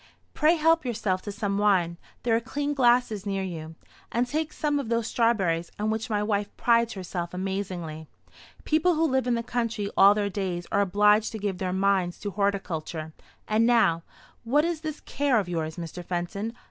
Pray help yourself to some wine, there are clean glasses near you; and take some of those strawberries, on which my wife prides herself amazingly. People who live in the country all their days are obliged to give their minds to horticulture. And now, what is this care of yours, Mr. Fenton?